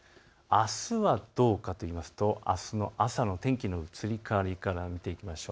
あすはどうかというとあすの朝の天気の移り変わりから見ていきましょう。